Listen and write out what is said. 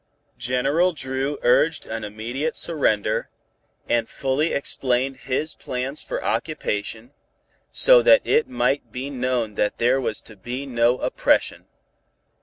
General Dru urged an immediate surrender, and fully explained his plans for occupation, so that it might be known that there was to be no oppression.